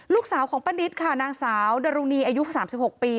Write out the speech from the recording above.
ลูกสาวของปะนิดค่ะนางสาวดรุณีอายุสามสิบหกปี